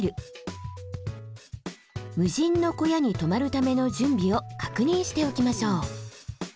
無人の小屋に泊まるための準備を確認しておきましょう。